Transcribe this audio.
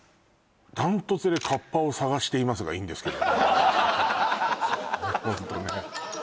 断トツで「カッパを探しています」がいいんですけどホントね